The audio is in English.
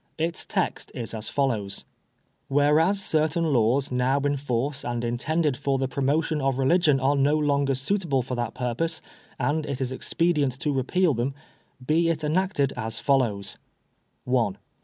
Its text is a follows :— "Whereas certain laws now in force and intended for the promotion of religion are no longer suitable for that purpose and it is expedient to repeal them, " Be it enacted as follows :— "1.